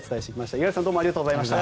五十嵐さんありがとうございました。